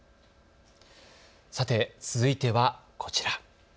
さて続いてはこちら。